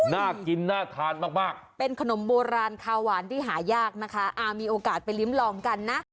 น่ากินน่าทานมากมากเป็นขนมโบราณข้าวหวานที่หายากนะคะมีโอกาสไปลิ้มลองกันนะ